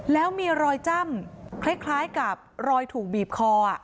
แล้วมีรอยจ้ำคล้ายกับรอยถูกบีบคอ